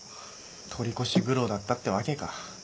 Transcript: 取り越し苦労だったってわけか。